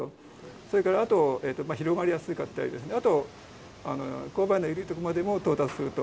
それからあと広がりやすかったりですね、あと、勾配の緩い所までも到達すると。